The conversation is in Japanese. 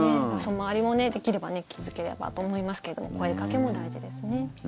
周りも、できれば気付ければと思いますけど声掛けも大事ですね。